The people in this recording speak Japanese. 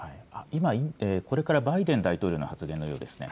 今、これからバイデン大統領の発言のようですね。